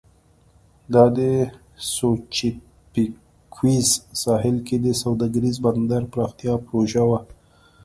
دا د سوچیتپیکویز ساحل کې د سوداګریز بندر پراختیا پروژه وه.